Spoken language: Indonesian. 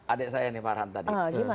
adik saya nih farhan tadi